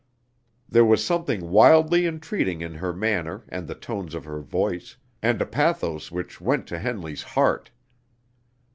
There was something wildly entreating in her manner and the tones of her voice, and a pathos which went to Henley's heart.